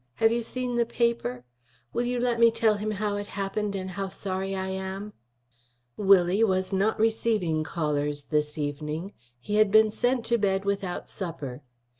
Have you seen the paper? Will you let me tell him how it happened, and how sorry I am?" Willie was not receiving callers this evening. He had been sent to bed without supper.